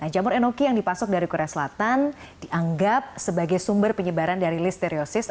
jamur enoki yang dipasok dari korea selatan dianggap sebagai sumber penyebaran dari listeriosis